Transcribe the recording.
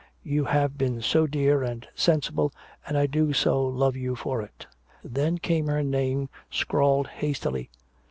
You have been so dear and sensible and I do so love you for it." Then came her name scrawled hastily.